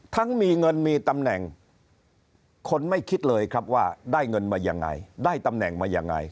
มีเงินมีตำแหน่งคนไม่คิดเลยครับว่าได้เงินมายังไงได้ตำแหน่งมายังไง